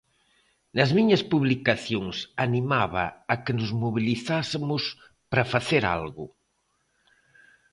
Nas miñas publicacións animaba a que nos mobilizásemos para facer algo.